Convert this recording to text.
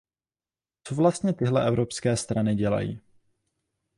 Co vlastně tyhle evropské strany dělají?